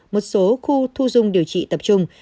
một số khu thu dung điều trị tập trung